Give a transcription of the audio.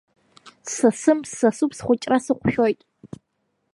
Ссасым, ссасуп, схәыҷра сыҟәшәоит.